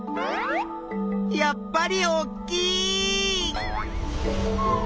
やっぱりおっきいっ！